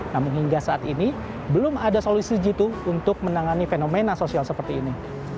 namun hingga saat ini belum ada solusi jitu untuk menangani fenomena sosial seperti ini